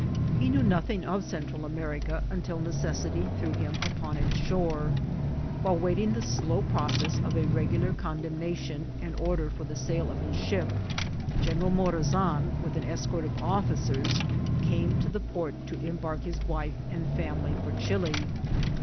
He knew nothing of Central America until necessity threw him upon its shore. While waiting the slow process of a regular condem nation and order for the sale of his ship, General Mo razan, with an escort of officers, came to the port to embark his wife and family for Chili.